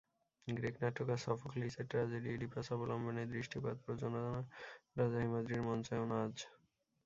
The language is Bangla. গ্রিক নাট্যকার সফোক্লিসের ট্র্যাজেডি ইডিপাস অবলম্বনে দৃষ্টিপাত প্রযোজনা রাজা হিমাদ্রির মঞ্চায়ন আজ।